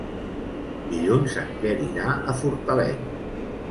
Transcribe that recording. Dilluns en Quer irà a Fortaleny.